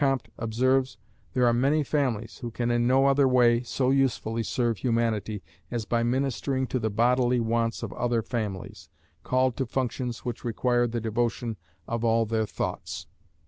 Comte observes, there are many families who can in no other way so usefully serve Humanity, as by ministering to the bodily wants of other families, called to functions which require the devotion of all their thoughts.